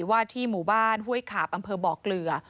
ว่าที่หมู่บ้านห้วยขาบอำเภอบ่อเกลือ